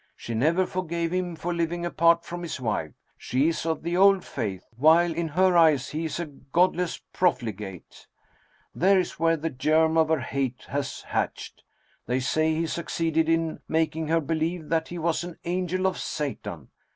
She never forgave him for living apart from his wife. She is of the Old Faith, while in her eyes he is a godless profligate. There is where the germ of her hate was hatched. They say he succeeded in making her believe that he was an angel of Satan.